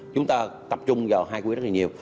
chúng ta tập trung vào hai quỹ đất này nhiều